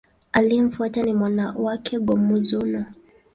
Aliyemfuata ni mwana wake, Go-Mizunoo.